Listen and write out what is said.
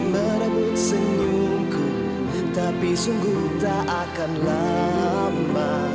merebut senyumku tapi sungguh tak akan lama